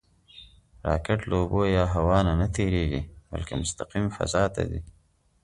راکټ له اوبو یا هوا نه نهتېرېږي، بلکې مستقیم فضا ته ځي